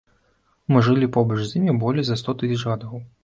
Мы жылі побач з імі болей за сто тысяч гадоў.